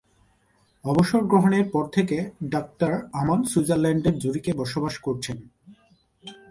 অবসর গ্রহণের পর থেকে, ডাক্তার আমান সুইজারল্যান্ডের জুরিখে বসবাস করছেন।